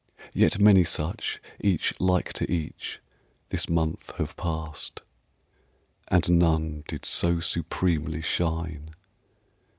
Yet many such, Each like to each, this month have passed, And none did so supremely shine.